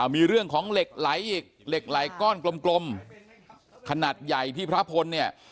มีเรื่องของเหล็กไหลอีกเหล็กไหลก้อนกลมขนาดใหญ่ที่พระพลเนี่ย